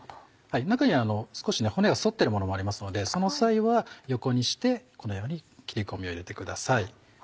中には少し骨が反ってるものもありますのでその際は横にしてこのように切り込みを入れてください。